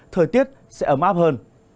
thời tiết sẽ ấm áp hơn